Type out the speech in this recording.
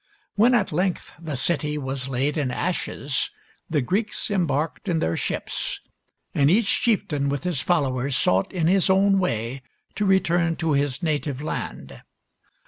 When at length the city was laid in ashes, the Greeks embarked in their ships, and each chieftain with his followers sought, in his own way, to return to his native land.